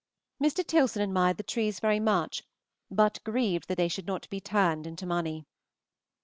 Mr. Tilson admired the trees very much, but grieved that they should not be turned into money.